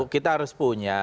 kita harus punya